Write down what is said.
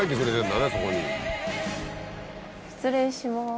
失礼します。